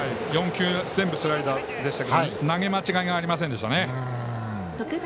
４球全部スライダーでしたけど投げ間違いがありませんでしたね。